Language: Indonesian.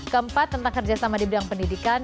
keempat tentang kerjasama di bidang pendidikan